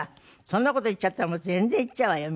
そんな事言っちゃったらもう全然行っちゃうわよ